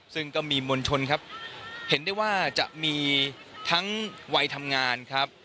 ซึ่งก็มีมวลชนครับเห็นได้ว่าจะมีทั้งวัยทำงานครับ